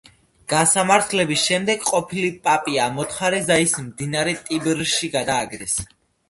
გასამართლების შემდეგ ყოფილი პაპი ამოთხარეს და ის მდინარე ტიბრში გადააგდეს.